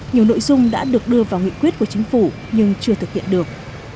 nhiều nội dung đã được đưa vào nghị quyết của chính phủ nhưng chưa thực hiện được